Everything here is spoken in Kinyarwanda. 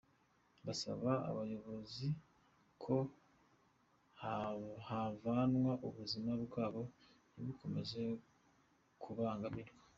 Basaba ubuyobozi ko yahavanwa ubuzima bwabo ntibukomeze kubangamirwa.